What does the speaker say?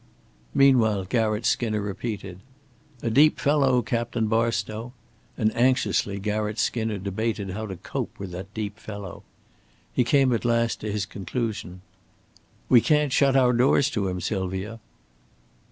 Meanwhile Garratt Skinner repeated: "A deep fellow Captain Barstow," and anxiously Garratt Skinner debated how to cope with that deep fellow. He came at last to his conclusion. "We can't shut our doors to him, Sylvia."